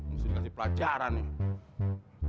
mesti dikasih pelajaran nih